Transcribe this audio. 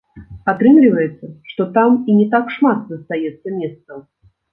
Атрымліваецца, што там і не так шмат застаецца месцаў.